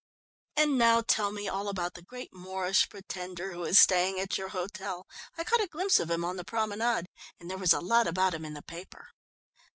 "And now tell me all about the great Moorish Pretender who is staying at your hotel I caught a glimpse of him on the promenade and there was a lot about him in the paper."